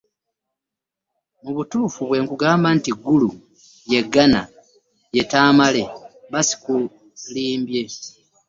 Mu butuufu bwe nkugamba nti Gulu y'e Ghana ye Tamale mba ssikulimbye.